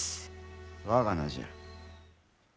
我が名じゃ。